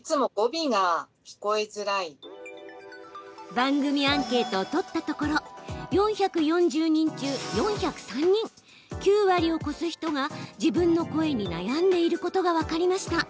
番組アンケートを取ったところ４４０人中４０３人９割を超す人が自分の声に悩んでいることが分かりました。